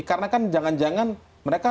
karena kan jangan jangan mereka